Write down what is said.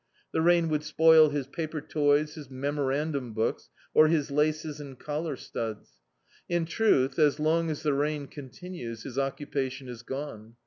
Hie rain would spoil his paper toys, his memorandum books, or his laces and collar studs. In truth, as long as the rain con tinues his occupation is gone.